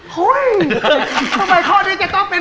ถือแล้ว